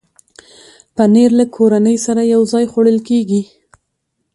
پنېر له کورنۍ سره یو ځای خوړل کېږي.